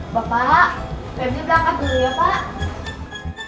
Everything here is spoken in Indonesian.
bapak febri berangkat dulu ya pak